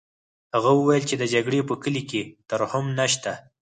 هغه وویل چې د جګړې په کلي کې ترحم نشته